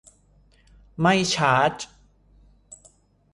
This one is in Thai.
ไม่ชาร์จ